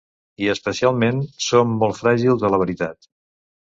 I, especialment, som molt fràgils a la veritat.